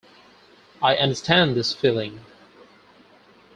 I understand this feeling.